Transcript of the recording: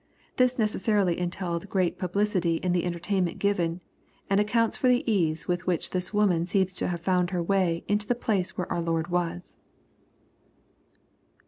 This necessarily entailed great publicity in the entertainment given, and accounts for the ease with which this woman seems to have found her way into the place where our Lord was.